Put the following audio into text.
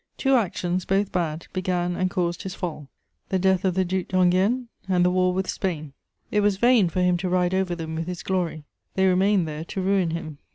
Two actions, both bad, began and caused his fall: the death of the Duc d'Enghien and the war with Spain. It was vain for him to ride over them with his glory: they remained there to ruin him.